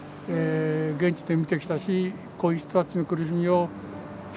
現地で見てきたしこういう人たちの苦しみを知ってきました。